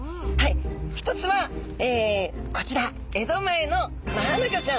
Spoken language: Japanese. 一つはこちら江戸前のマアナゴちゃん。